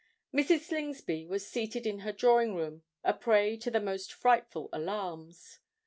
Mrs. Slingsby was seated in her drawing room, a prey to the most frightful alarms.